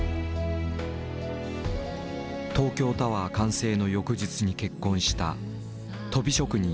東京タワー完成の翌日に結婚した鳶職人